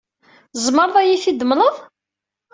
Tzemreḍ ad iyi-t-id-temleḍ?